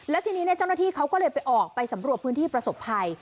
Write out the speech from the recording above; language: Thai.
แล้วทีนี้เจ้าหน้าที่เขาก็เลยไปออกไปสำรวจพื้นที่ประสบภัย